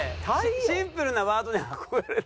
シンプルなワードに憧れてるんで。